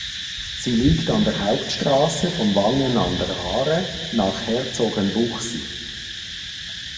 Sie liegt an der Hauptstrasse von Wangen an der Aare nach Herzogenbuchsee.